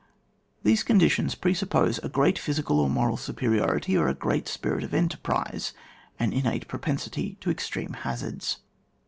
These conditions presuppose a g^at physical or moral superiority, or a great spirit of enterprise, an innate propensity to extreme hazards.